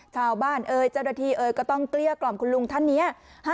เอ่ยเจ้าหน้าที่เอ่ยก็ต้องเกลี้ยกล่อมคุณลุงท่านนี้